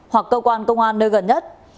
hoặc cơ quan công an nơi gần nhất